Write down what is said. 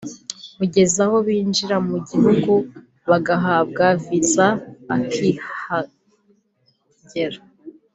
kugeza aho binjira mu gihugu bagahabwa Visa bakihagera